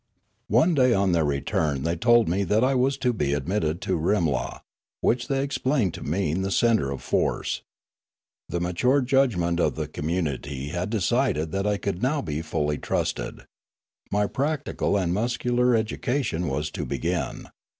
One day on their return they told me that I was to be admitted to Rimla, which they explained to mean the centre of force. The mature judgment of the com munity had decided that I could now be fully trusted. My practical and muscular education was to begin.